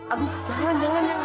aduh jangan jangan jangan